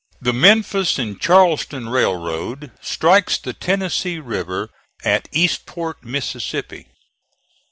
The Memphis and Charleston Railroad strikes the Tennessee River at Eastport, Mississippi.